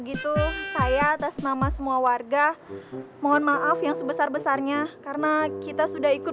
gitu saya atas nama semua warga mohon maaf yang sebesar besarnya karena kita sudah ikut